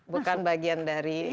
bukan bagian dari